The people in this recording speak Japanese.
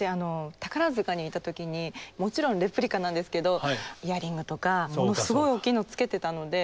宝塚にいた時にもちろんレプリカなんですけどイヤリングとかものすごい大きいのつけてたので。